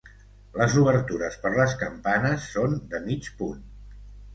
Les obertures per les campanes són de mig punt.